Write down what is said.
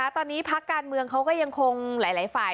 ตอนนี้พักการเมืองเขาก็ยังคงหลายฝ่าย